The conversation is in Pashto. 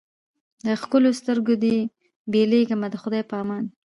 له ښکلیو سترګو دي بېلېږمه د خدای په امان